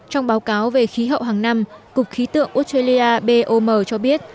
trong báo cáo về khí hậu hàng năm cục khí tượng australia bom cho biết